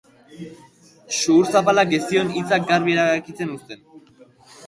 Sudur zapalak ez zion hitzak garbi ebakitzen uzten.